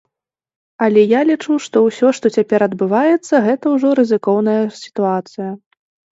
Але я лічу, што ўсё, што цяпер адбываецца, гэта ўжо рызыкоўная сітуацыя.